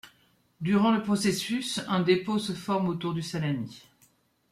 Durant le processus, un dépôt se forme autour du salami.